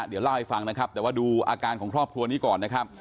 เดี๋ยวเล่าให้ฟังนะครับแต่ว่าดูอาการของครอบครัวนี้ก่อนนะครับ